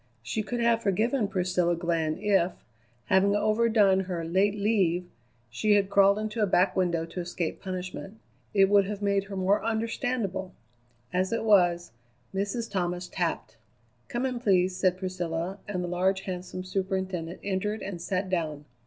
She could have forgiven Priscilla Glenn if, having overdone her "late leave," she had crawled into a back window to escape punishment. It would have made her more understandable. As it was, Mrs. Thomas tapped! "Come in, please," said Priscilla, and the large, handsome superintendent entered and sat down.